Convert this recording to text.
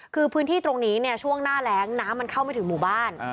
คือพื้นที่ตรงนี้เนี่ยช่วงหน้าแรงน้ำมันเข้าไม่ถึงหมู่บ้าน